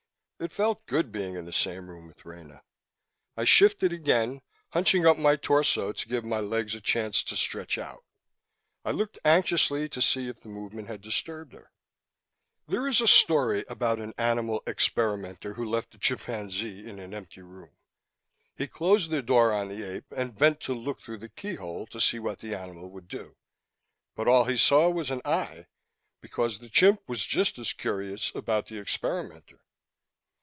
It felt good, being in the same room with Rena. I shifted again, hunching up my torso to give my legs a chance to stretch out. I looked anxiously to see if the movement had disturbed her. There is a story about an animal experimenter who left a chimpanzee in an empty room. He closed the door on the ape and bent to look through the key hole, to see what the animal would do. But all he saw was an eye because the chimp was just as curious about the experimenter.